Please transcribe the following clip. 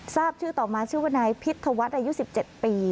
ทราบชื่อต่อมาชื่อว่านายพิธวัฒน์อายุ๑๗ปี